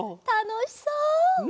たのしそう！